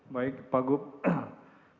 baik pak gubernur